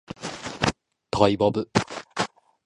トイボブ